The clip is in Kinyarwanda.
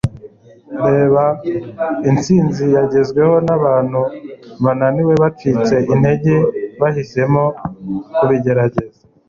Reba intsinzi yagezweho nabantu bananiwe bacitse intege bahisemo kubigerageza